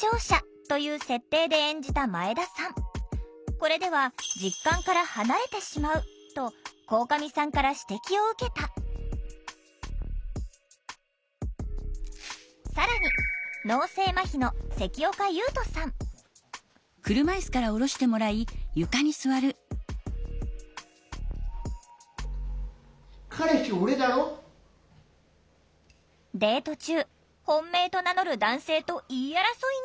これでは実感から離れてしまうと鴻上さんから指摘を受けた更にデート中本命と名乗る男性と言い争いに！